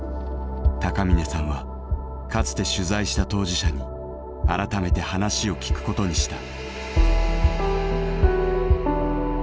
高峰さんはかつて取材した当事者に改めて話を聞くことにした。